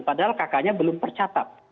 padahal kknya belum percatat